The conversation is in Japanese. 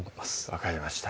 分かりました